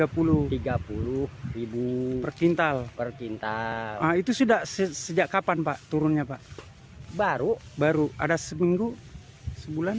lima ratus tiga puluh per kintal itu sudah sejak kapan pak turunnya pak baru baru ada seminggu sebulan